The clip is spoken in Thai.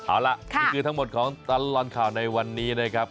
เอาล่ะนี่คือทั้งหมดของตลอดข่าวในวันนี้นะครับ